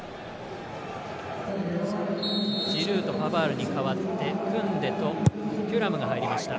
ジルーとパバールに代わってクンデとテュラムが入りました。